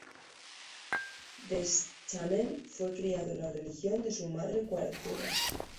Deschanel fue criado en la religión de su madre cuáquera.